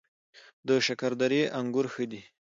د شکردرې انګور ښه دي